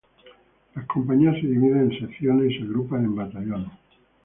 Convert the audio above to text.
Las compañías se dividen en secciones y se agrupan en batallones.